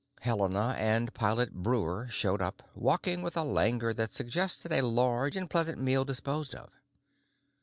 Helena and Pilot Breuer showed up, walking with a languor that suggested a large and pleasant meal disposed of.